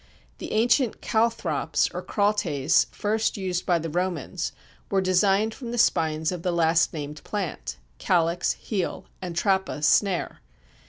The ancient "calthrops" or "crawtaes" (first used by the Romans) were designed from the spines of the last named plant (calx, heel, and trappa, snare.)